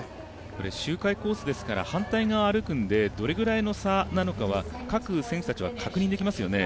周回コースですから反対側を歩くのでどれぐらいの差なのかは各選手たちは確認できますよね。